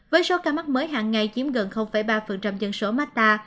với số ca mắc mới hàng ngày chiếm gần ba dân số mát ta